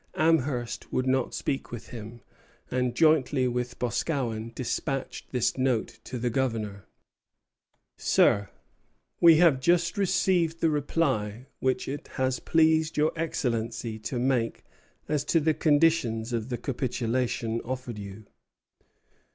Amherst would not speak with him; and jointly with Boscawen despatched this note to the Governor: Sir, We have just received the reply which it has pleased your Excellency to make as to the conditions of the capitulation offered you.